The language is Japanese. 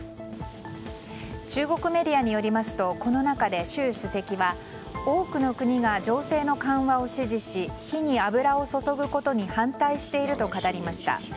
中国メディアによりますとこの中で、習主席は多くの国が情勢の緩和を支持し火に油を注ぐことに反対していると語りました。